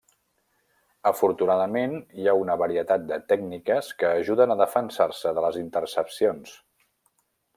Afortunadament, hi ha una varietat de tècniques que ajuden a defensar-se de les intercepcions.